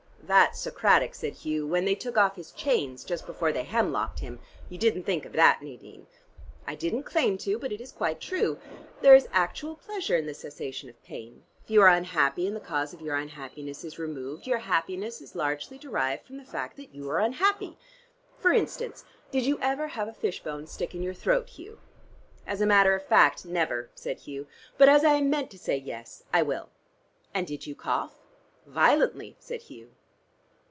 "That's Socratic," said Hugh, "when they took off his chains just before they hemlocked him. You didn't think of that, Nadine." "I didn't claim to, but it is quite true. There is actual pleasure in the cessation of pain. If you are unhappy and the cause of your unhappiness is removed, your happiness is largely derived from the fact that you were unhappy. For instance, did you ever have a fish bone stick in your throat, Hugh?" "As a matter of fact, never," said Hugh. "But as I am meant to say 'yes,' I will." "And did you cough?" "Violently," said Hugh.